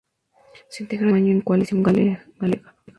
Se integró en ese mismo año en Coalición Galega.